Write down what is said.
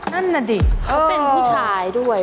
นั่นน่ะดิเขาเป็นผู้ชายด้วย